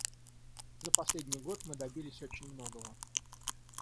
За последний год мы добились очень многого.